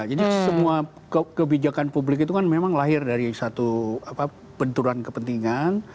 jadi semua kebijakan publik itu kan memang lahir dari satu benturan kepentingan